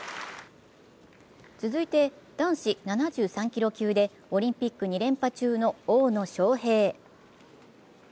続いて男子７３キロ級でオリンピック２連覇中の大野将平。